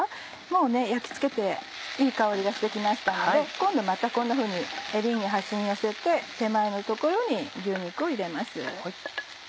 もう焼きつけていい香りがして来ましたので今度またこんなふうにエリンギ端に寄せて手前の所に牛肉を入れます。